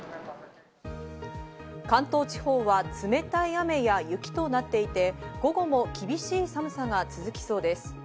関東地方は冷たい雨や雪となっていて、午後も厳しい寒さが続きそうです。